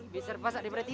bisa pasak diberi tiang